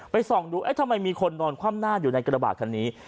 ส่องดูเอ๊ะทำไมมีคนนอนคว่ำหน้าอยู่ในกระบาดคันนี้